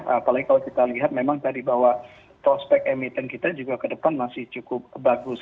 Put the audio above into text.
apalagi kalau kita lihat memang tadi bahwa prospek emiten kita juga ke depan masih cukup bagus